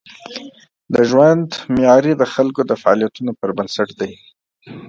د ژوند معیاري د خلکو د فعالیتونو پر بنسټ دی.